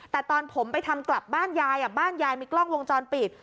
แต่ตอนผมไปทำกลับบ้านยายบ้านยายมีกล้องวงจรปิด